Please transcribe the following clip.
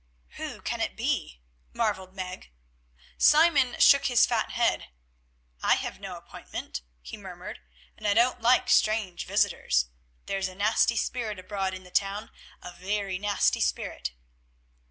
"Who can it be?" marvelled Meg. Simon shook his fat head. "I have no appointment," he murmured, "and I don't like strange visitors. There's a nasty spirit abroad in the town, a very nasty spirit."